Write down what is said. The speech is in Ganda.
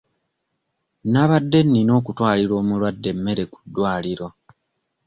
Nabadde nina okutwalira omulwadde emmere ku ddwaliro.